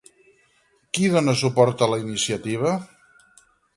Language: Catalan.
Qui dona suport a la iniciativa?